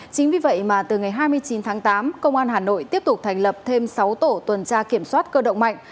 chính vì vậy mà từ ngày hai mươi chín tháng tám công an hà nội tiếp tục thành lập thêm sáu tổ tuần tra kiểm soát cơ động mạnh